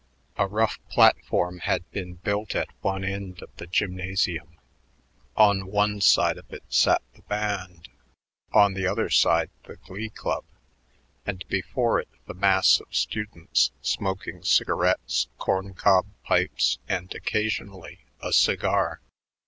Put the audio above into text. A rough platform had been built at one end of the gymnasium. On one side of it sat the band, on the other side the Glee Club and before it the mass of students, smoking cigarettes, corn cob pipes, and, occasionally, a cigar.